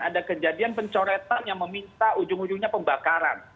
ada kejadian pencoretan yang meminta ujung ujungnya pembakaran